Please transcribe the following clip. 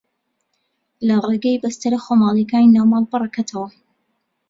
لە ڕێگەی بەستەرە خۆماڵییەکانی ناو ماڵپەڕەکەتەوە